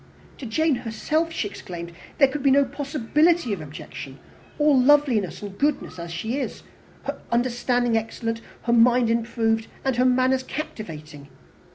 "To Jane herself," she exclaimed, "there could be no possibility of objection, all loveliness and goodness as she is! Her understanding excellent, her mind improved, and her manners captivating.